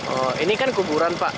oh ini kan kuburan pak